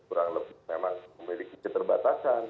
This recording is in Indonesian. kurang lebih memang memiliki keterbatasan